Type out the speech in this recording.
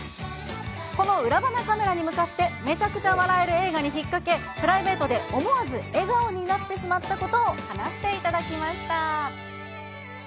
この裏話カメラに向かって、映画に引っかけ、プライベートで思わず笑顔になってしまったことを話していただきました。